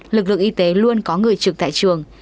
lực lượng y tế luôn có người trực tại trường